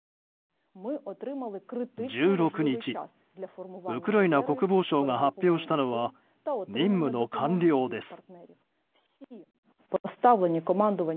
１６日、ウクライナ国防省が発表したのは任務の完了です。